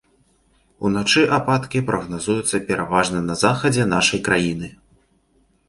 Уначы ападкі прагназуюцца пераважна на захадзе нашай краіны.